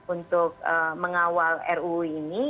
untuk mengawal ruu ini